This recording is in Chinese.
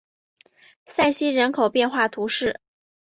塞西人口变化图示